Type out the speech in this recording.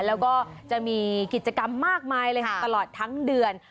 แล้วก็จะมีกิจกรรมมากมายเลยค่ะตลอดทั้งเดือน